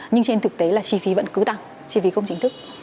nhưng trên thực tế là chi phí vẫn cứ tăng chi phí không chính thức